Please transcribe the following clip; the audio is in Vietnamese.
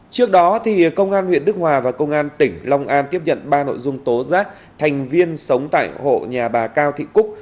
trước đó công an huyện đức hòa và công an tỉnh long an tiếp nhận ba nội dung tố giác thành viên sống tại hộ nhà bà cao thị cúc